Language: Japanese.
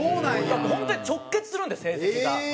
だから本当に直結するんです成績が。